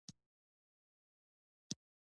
آیا د ګاونډیتوب حقونه دې ادا نشي؟